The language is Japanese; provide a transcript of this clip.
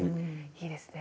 いいですね。